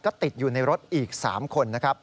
ก็ติดอยู่ในรถอีก๓คน